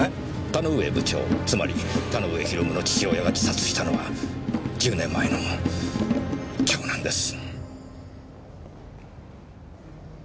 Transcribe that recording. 田ノ上部長つまり田ノ上啓の父親が自殺したのは１０年前の今日なんです。